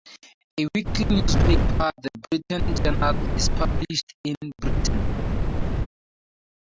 A weekly newspaper, the "Britton Journal," is published in Britton.